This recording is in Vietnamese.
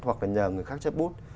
hoặc là nhờ người khác chấp bút